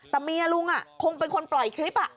แต่เมียลุงคงเป็นคนปล่อยคลิป